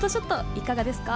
いかがですか？